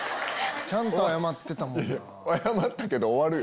ちゃんと謝ってたもんな。